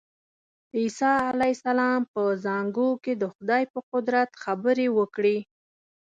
عیسی علیه السلام په زانګو کې د خدای په قدرت خبرې وکړې.